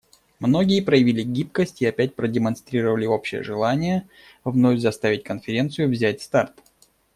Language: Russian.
Многие проявили гибкость и опять продемонстрировали общее желание вновь заставить Конференцию взять старт.